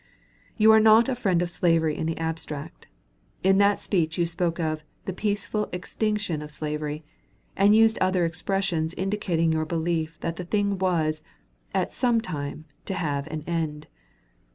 You are not a friend of slavery in the abstract. In that speech you spoke of "the peaceful extinction of slavery" and used other expressions indicating your belief that the thing was, at some time, to have an end.